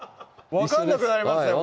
分かんなくなりますよ